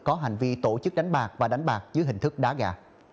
có hành vi tổ chức đánh bạc và đánh bạc dưới hình thức đá gà